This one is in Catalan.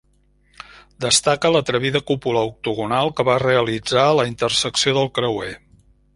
Destaca l'atrevida cúpula octogonal que va realitzar a la intersecció del creuer.